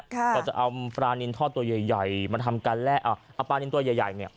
ก็จะเอาปลานินทอดตัวใหญ่